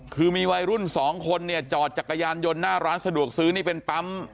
คือมีวัยรุ่นสองคนเนี่ยจอดจักรยานยนต์หน้าร้านสะดวกซื้อนี่เป็นปั๊ม